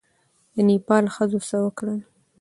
د نېپال ښځو څه وکړل؟